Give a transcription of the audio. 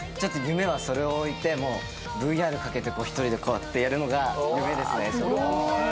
夢はそれを置いてＶＲかけて一人でこうやってやるのが夢ですね。